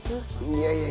いやいや。